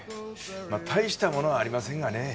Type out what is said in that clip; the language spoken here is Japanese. まあ大したものはありませんがね。